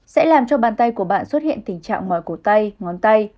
sẽ làm cho bàn tay của bạn xuất hiện tình trạng mỏi cổ tay ngón tay